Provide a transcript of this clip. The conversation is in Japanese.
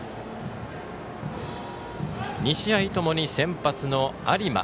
２試合ともに先発の有馬。